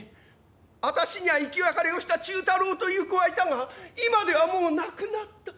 私には生き別れをした忠太郎という子はいたが今ではもう亡くなった。